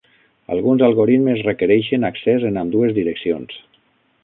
Alguns algoritmes requereixen accés en ambdues direccions.